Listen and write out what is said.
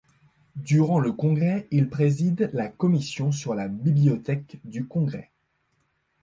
Durant le congrès, il préside la commission sur la bibliothèque du Congrès.